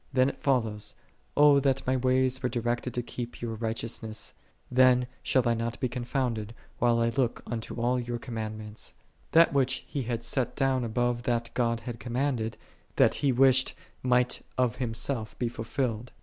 Then it follows, "O that my ways were directed to keep Thy righteousnesses: then shall I not be confounded, whilst I look unto all Thy commandments."3 That which he had set down above that God had commanded, that he wished might of himself be fulfilled.